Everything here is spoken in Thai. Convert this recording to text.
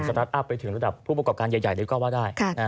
แต่กลุ่มสตาร์ทอัพไปถึงระดับผู้ประกอบการใหญ่เลยก็ว่าได้